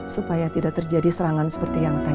supaya tidak terjadi serangan seperti yang tadi